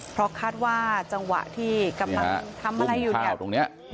เพราะคาดว่าจังหวะที่กำลังทำอะไรอยู่